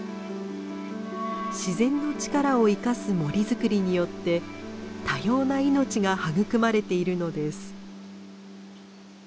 自然の力を生かす森作りによって多様な命が育まれているのです。